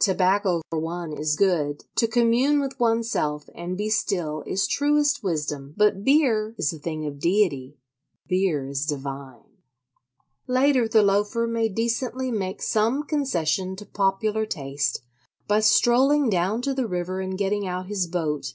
Tobacco for one is good; to commune with oneself and be still is truest wisdom; but beer is a thing of deity—beer is divine. Later the Loafer may decently make some concession to popular taste by strolling down to the river and getting out his boat.